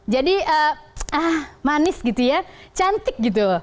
ah manis gitu ya cantik gitu